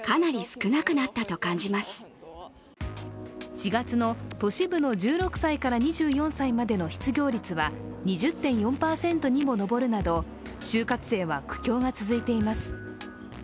４月の都市部の１６歳から２４歳までの失業率は２０．４％にも上るなど就活生は苦境が続いています。